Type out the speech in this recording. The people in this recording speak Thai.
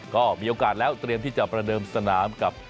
ก็มีโอกาสแล้วเตรียมที่จะประเดิมสนามกับ